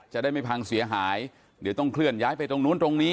จะได้ไม่พังเสียหายเดี๋ยวต้องเคลื่อนย้ายไปตรงนู้นตรงนี้